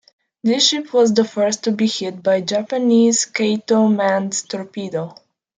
This ship was the first to be hit by a Japanese "Kaiten" manned torpedo.